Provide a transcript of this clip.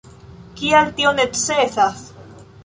Kial tio necesas?